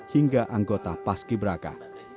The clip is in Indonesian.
hingga anggota paski berakah